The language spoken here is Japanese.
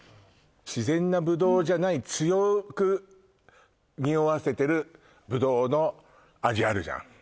自然なぶどうじゃない強く匂わせてるぶどうの味あるじゃん